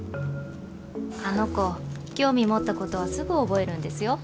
あの子興味持ったことはすぐ覚えるんですよ。